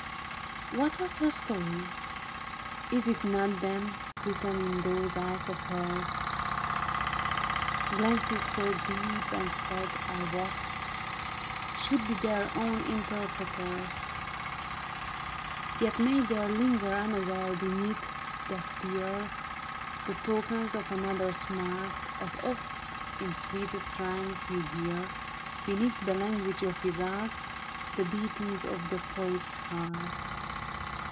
What was her story ? Is it not Then, written in those eyes of hers ? Glances so deep and sad, I wot, Should be their own interpreters. Yet may there linger unaware Beneath that tear. The tokens of another's smart, As oft in sweetest rhymes you hear Beneath the language of his art. The beatings of the poet's heart.